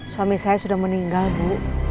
suami saya sudah meninggal bu